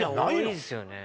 多いですよね。